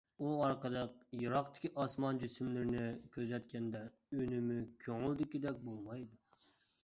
ئۇ ئارقىلىق يىراقتىكى ئاسمان جىسىملىرىنى كۆزەتكەندە، ئۈنۈمى كۆڭۈلدىكىدەك بولمايدۇ.